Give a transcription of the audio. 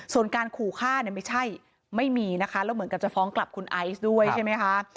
ส่วนการขู่ฆ่าเนี่ยไม่ใช่ไม่มีนะคะแล้วเหมือนกับจะฟ้องกลับคุณไอซ์ด้วยใช่ไหมคะ